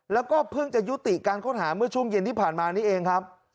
แล้วก็เพิ่งจะยุติการค้นหาเมื่อช่วงเย็นที่ผ่านมานี้เองครับ